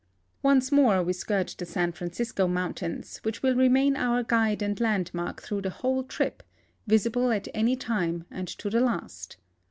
Once more we skirt the San Francisco mountains, which will remain our guide and landmark through the whole trip, visible at any time and to the last.